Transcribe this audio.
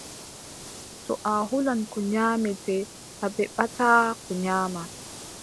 To a hulan ko nyaamete, a beɓataa ko nyaama.